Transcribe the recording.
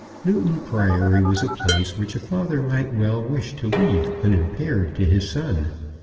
Newton Priory was a place which a father might well wish to leave unimpaired to his son.